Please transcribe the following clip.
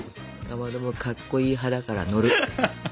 かまどもかっこいい派だから乗る。